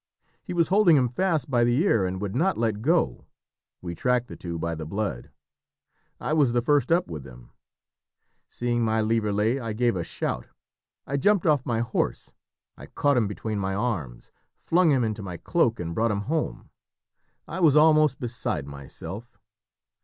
he was holding him fast by the ear and would not let go; we tracked the two by the blood. I was the first up with them. Seeing my Lieverlé I gave a shout, I jumped off my horse, I caught him between my arms, flung him into my cloak, and brought him home. I was almost beside myself.